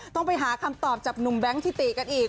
ต้องไปหาคำตอบจากหนุ่มแบงค์ทิติกันอีก